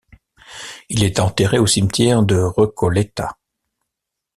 Il est enterré au cimetière de Recoleta.